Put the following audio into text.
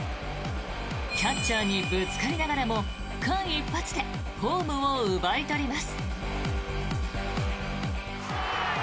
キャッチャーにぶつかりながらも間一髪でホームを奪い取ります。